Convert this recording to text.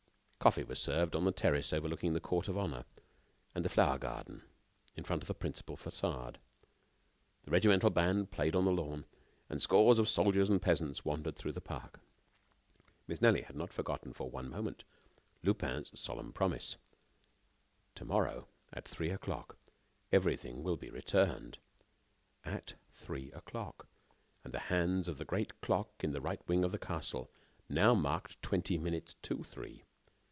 Coffee was served on the terrace overlooking the court of honor and the flower garden in front of the principal façade. The regimental band played on the lawn, and scores of soldiers and peasants wandered through the park. Miss Nelly had not forgotten, for one moment, Lupin's solemn promise: "To morrow, at three o'clock, everything will be returned." At three o'clock! And the hands of the great clock in the right wing of the castle now marked twenty minutes to three.